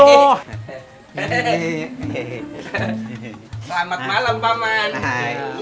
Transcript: selamat malam pak man